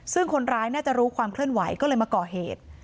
ซึ่งคนร้ายน่าจะรู้ความเคลื่อนไหวก็เลยมาก่อเหตุ